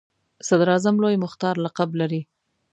صدراعظم لوی مختار لقب لري.